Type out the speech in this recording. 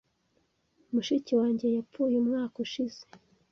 Mushiki wanjye yapfuye umwaka ushize.